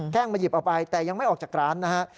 มาหยิบเอาไปแต่ยังไม่ออกจากร้านนะฮะ